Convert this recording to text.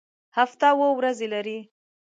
هفته اووه ورځې لري